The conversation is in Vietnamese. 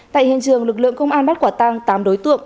tại hiện trường lực lượng công an bắt quả tăng tám đối tượng